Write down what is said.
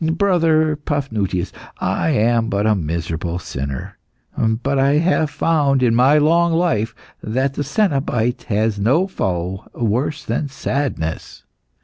Brother Paphnutius, I am but a miserable sinner, but I have found, in my long life, that the cenobite has no foe worse than sadness.